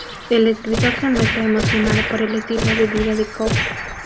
El escritor se muestra emocionado por el estilo de vida de Cobb.